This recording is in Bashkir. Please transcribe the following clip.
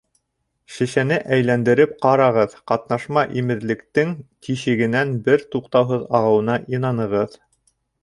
- шешәне әйләндереп ҡарағыҙ: ҡатнашма имеҙлектең тишегенән бер туҡтауһыҙ ағыуына инанығыҙ.